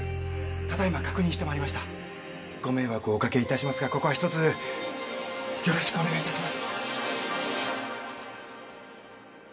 ただ今確認してまいりましたご迷惑をおかけしますがここはひとつよろしくお願いいたします